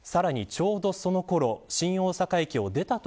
ちょうどそのころ新大阪駅を出た所